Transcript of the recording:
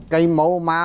cây mẫu má